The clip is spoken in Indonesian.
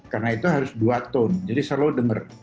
karena itu harus dua ton jadi selalu dengar